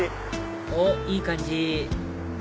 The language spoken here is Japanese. おっいい感じ